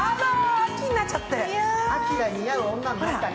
秋が似合う女になったね。